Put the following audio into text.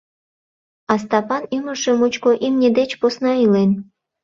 А Стапан ӱмыржӧ мучко имне деч посна илен.